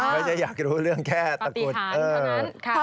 ไม่ได้อยากรู้เรื่องแค่ตะกรุด